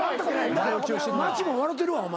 街も笑てるわお前。